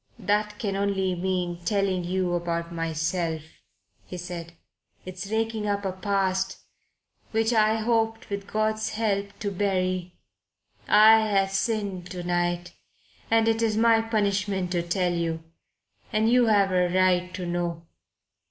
"That can only mean telling you about myself," he said. "It's raking up a past which I had hoped, with God's help, to bury. But I have sinned to night, and it is my punishment to tell you. And you have a right to know.